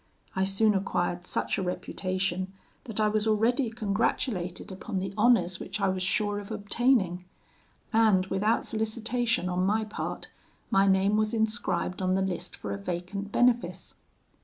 I soon acquired such a reputation, that I was already congratulated upon the honours which I was sure of obtaining; and, without solicitation on my part, my name was inscribed on the list for a vacant benefice.